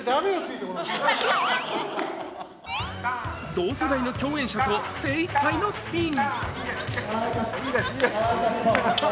同世代の共演者と精いっぱいのスピン。